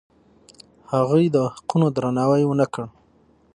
هغوی د حقونو درناوی ونه کړ.